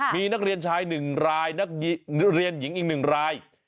มีนักเรียนชาย๑รายนักเรียนหญิงอีก๑ราย